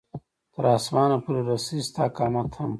تر اسمانه پورې رسي ستا قامت هم